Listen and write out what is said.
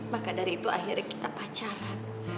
maka dari itu akhirnya kita pacaran